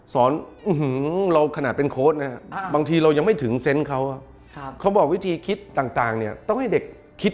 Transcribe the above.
เราขนาดเป็นโค้ดนะบางทีเรายังไม่ถึงเซนต์เขาเขาบอกวิธีคิดต่างเนี่ยต้องให้เด็กคิด